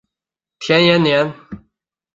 田延年。